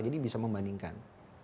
jadi bisa membandingkan